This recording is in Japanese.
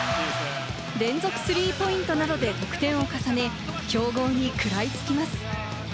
連続スリーポイントなどで得点を重ね、強豪に食らいつきます。